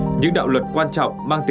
thực hiện tốt nhiệm vụ phòng chống ma túy